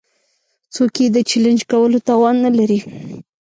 څوک يې د چلېنج کولو توان نه لري.